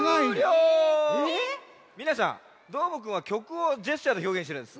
みなさんどーもくんはきょくをジェスチャーでひょうげんしてるんです。